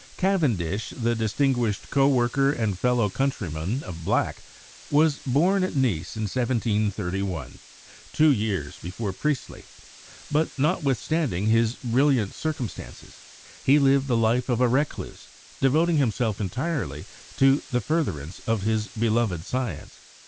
114 CHEMISTRY Cavendish, the distinguished co worker and fellow coun tryman of Black, was born at Nice in 1731, two years be fore Priestley; but, notwithstanding his brilliant circum stances, he lived the life of a recluse, devoting himself entirely to the furtherance of his beloved science.